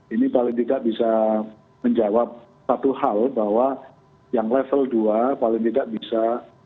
ini paling tidak bisa menjawab satu hal bahwa yang level dua paling tidak bisa